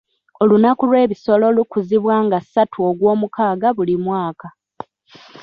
Olunaku lw'ebisolo lukuzibwa nga ssatu ogw'omukaaga buli mwaka.